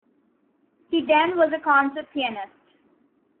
He then was a concert pianist.